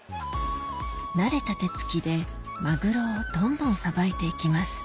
慣れた手つきでマグロをどんどんさばいていきます